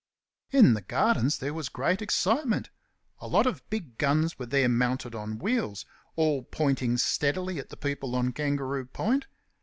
In the gardens there was great excitement. A lot of big guns were there mounted on wheels, all pointing steadily at the people on Kangaroo Point.